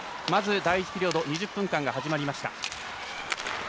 まず第１ピリオド２０分間が始まりました。